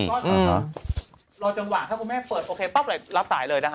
ก็รอจังหวะถ้าคุณแม่เปิดโอเคปั๊บเลยรับสายเลยนะคะ